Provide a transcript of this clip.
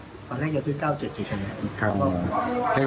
ตอนแรกจะซื้อเจ้า๗๗ใช่ไหมครับ